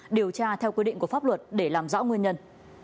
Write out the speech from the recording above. điều tra theo quy định của pháp luật để làm rõ nguyên nhân